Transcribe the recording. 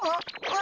あ！